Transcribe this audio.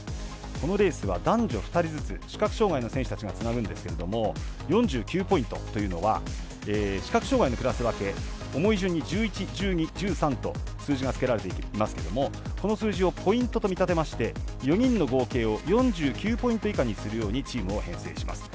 このレースは男女２人ずつ視覚障がいの選手たちがつなぐんですけれども４９ポイントというのは視覚障がいのクラス分け重い順に１１、１２、１３と数字がつけられていますけどもこの数字をポイントと見立てまして４人の合計を４９ポイント以下にするようにチームを編成します。